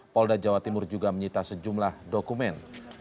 polda jawa timur juga menyita sejumlah dokumen